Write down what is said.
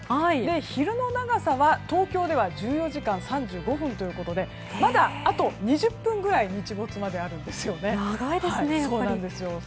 昼の長さは東京では１４時間３５分ということでまだ、あと２０分ぐらい日没まであるんですよね。